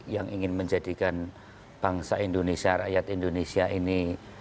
yang ingin menjadikan bangsa indonesia rakyat indonesia ini